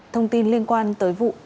thông tin liên quan tới vụ